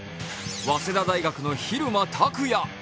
早稲田大学の蛭間拓哉。